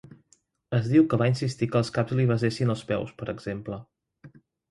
Es diu que va insistir que els caps li besessin els peus, per exemple.